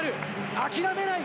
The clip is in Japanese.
諦めない！